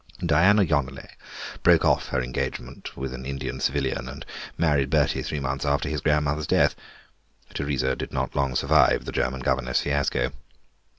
Dora Yonelet broke off her engagement with an Indian civilian, and married Bertie three months after his grandmother's death—Teresa did not long survive the German governess fiasco.